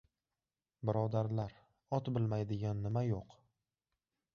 Birodarlar, ot bilmaydigan nima yo‘q!